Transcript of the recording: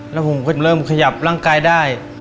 แล้วผมก็เริ่มขยับร่างกายได้